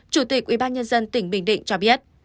chủ tịch ubnd tỉnh bình định cho biết